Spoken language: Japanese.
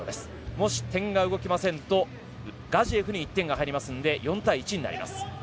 もし点が動きませんとガジエフに点が入りますので４対１になります。